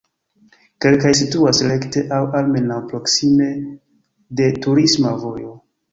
Kelkaj situas rekte aŭ almenaŭ proksime de turisma vojo.